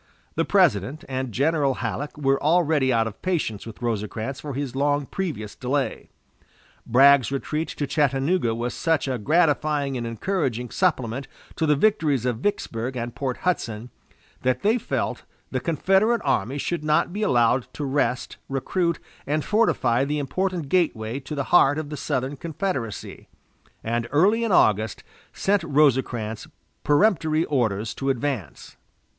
The President and General Halleck were already out of patience with Rosecrans for his long previous delay. Bragg's retreat to Chattanooga was such a gratifying and encouraging supplement to the victories of Vicksburg and Port Hudson, that they felt the Confederate army should not be allowed to rest, recruit, and fortify the important gateway to the heart of the Southern Confederacy, and early in August sent Rosecrans peremptory orders to advance.